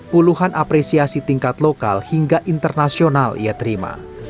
puluhan apresiasi tingkat lokal hingga internasional ia terima